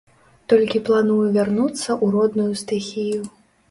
Толькі планую вярнуцца ў родную стыхію.